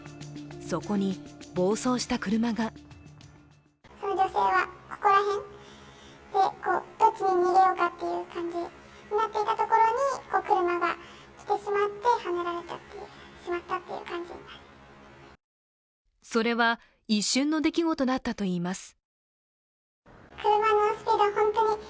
そこに暴走した車がそれは一瞬の出来事だったといいます。